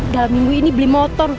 dalam minggu ini beli motor